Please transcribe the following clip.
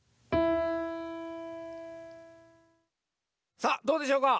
さあどうでしょうか？